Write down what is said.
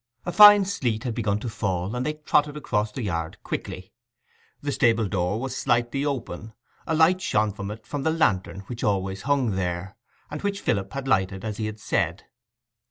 A fine sleet had begun to fall, and they trotted across the yard quickly. The stable door was open; a light shone from it—from the lantern which always hung there, and which Philip had lighted, as he said.